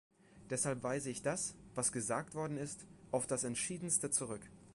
Deshalb weise ich das, was gesagt worden ist, auf das Entschiedenste zurück.